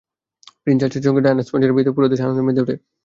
Prince চার্লসের সঙ্গে Diana স্পেনসারের বিয়েতেও পুরো দেশ আনন্দে মেতে ওঠে।